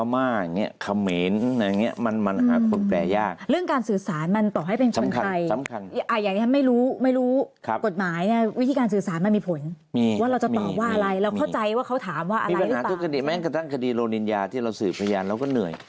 แม้กระทั่งคดีโรนิญาที่เราสื่อพยายามแล้วก็เหนื่อย